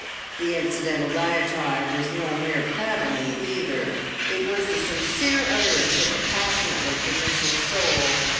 The incidental diatribe was no mere padding, either; it was the sincere utterance of a passionately provincial soul.